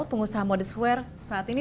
pengusaha modest wear saat ini